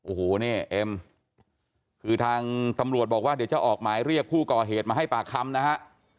โอ้โหนี่เอ็มคือทางตำรวจบอกว่าเดี๋ยวจะออกหมายเรียกผู้ก่อเหตุมาให้ปากคำนะฮะ